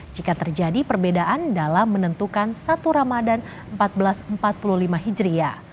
jika terjadi perbedaan dalam menentukan satu ramadhan seribu empat ratus empat puluh lima hijriah